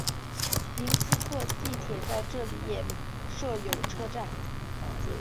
明斯克地铁在这里也设有车站。